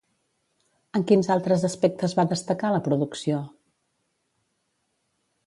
En quins altres aspectes va destacar la producció?